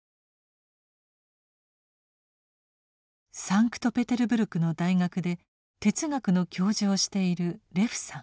サンクトペテルブルクの大学で哲学の教授をしているレフさん。